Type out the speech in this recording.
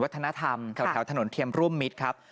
เยอะธนธรรมแถวถนนเทียมร่วมมิตรครับ